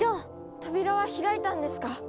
扉は開いたんですか？